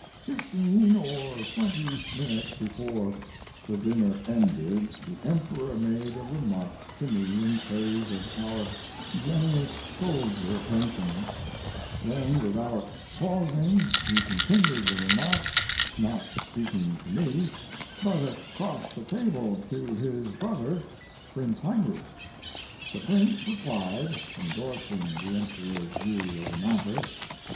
"Fifteen or twenty minutes before the dinner ended the Emperor made a remark to me in praise of our generous soldier pensions; then, without pausing, he continued the remark, not speaking to me, but across the table to his brother, Prince Heinrich. The Prince replied, endorsing the Emperor's view of the matter.